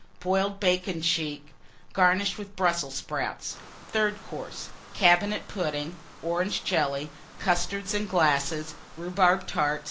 Boiled Bacon cheek, garnished with Brussels Sprouts. THIRD COURSE. Cabinet Pudding. Orange Jelly. Custards, in glasses. Rhubarb Tart.